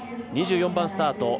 ２４番スタート